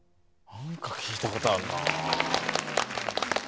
何か聴いたことあるな。